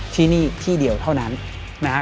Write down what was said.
ที่นี่ที่เดียวเท่านั้นนะครับ